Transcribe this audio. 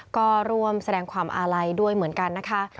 ก็ร่วมแสดงความอาลัยด้วยเหมือนกันนะคะ